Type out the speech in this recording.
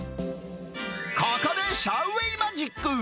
ここでシャウ・ウェイマジック。